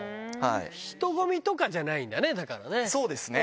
人混みとかじゃないんだね、そうですね。